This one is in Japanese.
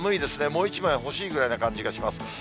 もう１枚欲しいぐらいの感じがします。